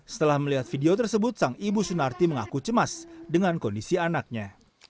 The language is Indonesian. setelah melihat video tersebut sang ibu sunarti mengaku cemas dengan kondisi anaknya